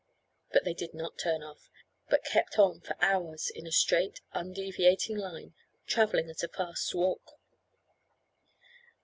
But they did not turn off, but kept on for hours in a straight undeviating line, travelling at a fast walk.